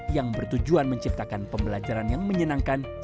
yang bertujuan menciptakan pembelajaran yang menyenangkan